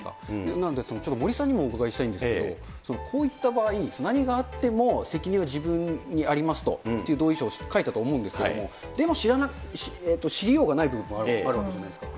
なんで、ちょっと森さんにもお伺いしたいんですけど、こういった場合、何があっても責任は自分にありますという同意書を書いたと思うんですけれども、でも知りようがない部分もあるわけじゃないですか。